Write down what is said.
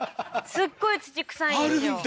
すっごい土臭いんですよ